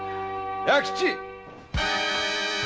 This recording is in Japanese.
弥吉！